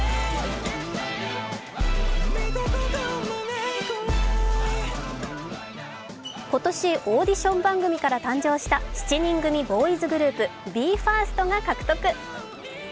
まずは新人ランキング、第１位は今年オーディション番組から誕生した７人組ボーイズグループＢＥ：ＦＩＲＳＴが獲得。